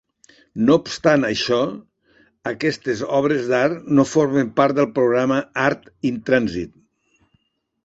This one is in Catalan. No obstant això, aquestes obres d'art no formen part del programa Art in Transit.